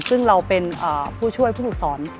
ซึ่งเราเป็นผู้ช่วยผู้ฝึกสอน